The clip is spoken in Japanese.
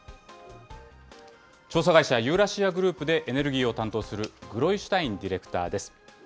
調査会社、ユーラシア・グループで、エネルギーを担当する、グロイシュタインディレクターです。